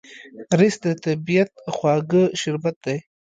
رس د طبیعت خواږه شربت دی